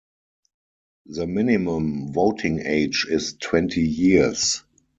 The minimum voting age is twenty years.